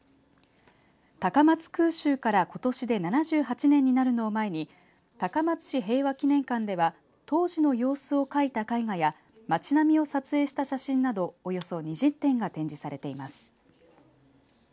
高松空襲から、ことしで７８年になるのを前に高松市平和記念館では当時の様子を描いた絵画や町並みを撮影した写真などおよそ２０点が展示されています。